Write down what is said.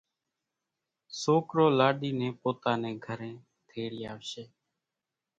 سوڪرو لاڏِي نين پوتا نين گھرين تيڙي آوشي